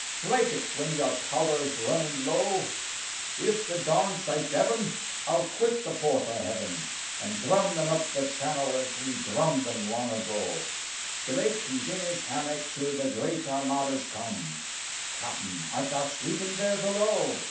Strike et when your powder's runnin' low ; If the Dons sight Devon, I'll quit the port o' Heaven, An' drum them up the channel as we drummed them long ^o." Drake he's in his hammock till the great Armadas come, (Capten, art tha sleepin' there below?)